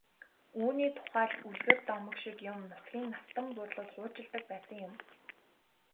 Үүний тухай л үлгэр домог шиг юм нутгийн настан буурлууд хуучилдаг байсан юм.